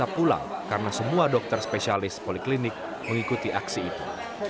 mereka pulang karena semua dokter spesialis poliklinik mengikuti aksi itu